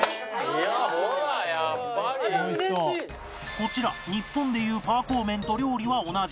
こちら日本でいうパーコー麺と料理は同じ